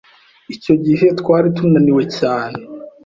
Icyo gihe, twari tunaniwe cyane.